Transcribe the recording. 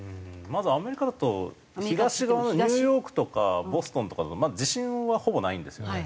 まずアメリカだと東側のニューヨークとかボストンとかだと地震はほぼないんですよね。